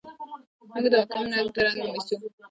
موږ د حاکم رنګ ته رنګ نیسو.